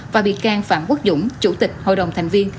và bị can phạm quốc dũng chủ tịch hội đồng thành viên